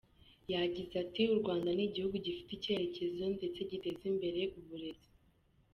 Yagize ati “ U Rwanda ni igihugu gifite icyerekezo, ndetse giteza imbere uburezi.